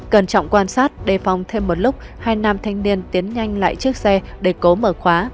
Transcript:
cẩn trọng quan sát đề phòng thêm một lúc hai nam thanh niên tiến nhanh lại chiếc xe để cố mở khóa